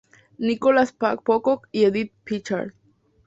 Nicholas Pocock y Edith Prichard.